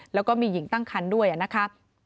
แล้วก็มีหญิงตั้งคันด้วยนะครับ